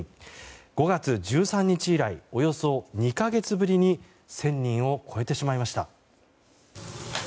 ５月１３日以来およそ２か月ぶりに１０００人を超えてしまいました。